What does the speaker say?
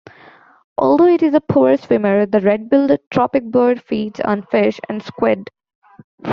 Although it is a poor swimmer, the red-billed tropicbird feeds on fish and squid.